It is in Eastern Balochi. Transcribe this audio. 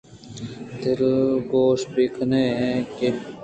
دلگوش بہ کنائین ایں کہ